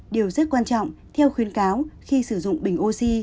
điều rất quan trọng theo khuyến cáo khi sử dụng bình oxy